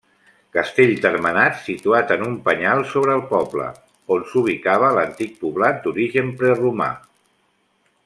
Castell termenat situat en un penyal sobre el poble, on s'ubicava l'antic poblat d'origen preromà.